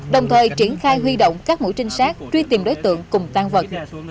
đồng thời triển khai huy động các mũi trinh sát truy tìm đối tượng cùng tan vật